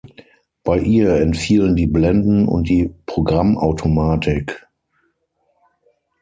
Bei ihr entfielen die Blenden- und die Programmautomatik.